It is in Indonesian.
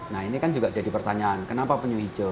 nah ini kan juga jadi pertanyaan kenapa penyu hijau